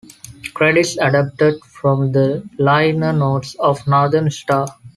Credits adapted from the liner notes of "Northern Star".